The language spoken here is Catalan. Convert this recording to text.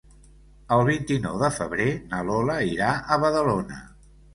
El vint-i-nou de febrer na Lola irà a Badalona.